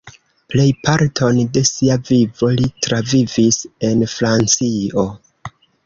Plejparton de sia vivo li travivis en Francio.